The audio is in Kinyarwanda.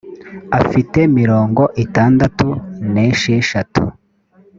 afite mirongo itandatu n’esheshatu.